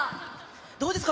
どうですか？